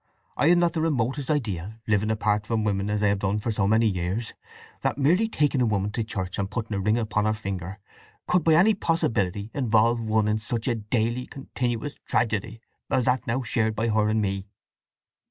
I had not the remotest idea—living apart from women as I have done for so many years—that merely taking a woman to church and putting a ring upon her finger could by any possibility involve one in such a daily, continuous tragedy as that now shared by her and me!"